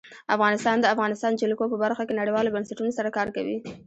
افغانستان د د افغانستان جلکو په برخه کې نړیوالو بنسټونو سره کار کوي.